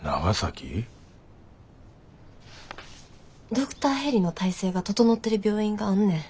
ドクターヘリの体制が整ってる病院があんねん。